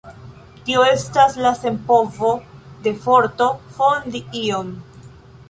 Tio estas la senpovo de forto fondi ion.